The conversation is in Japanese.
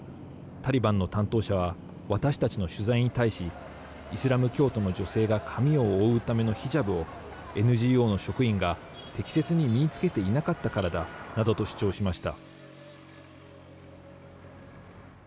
タリバンの担当者は私たちの取材に対しイスラム教徒の女性が髪を覆うためのヒジャブをＮＧＯの職員が適切に身につけていなかったからだなどと主張しました。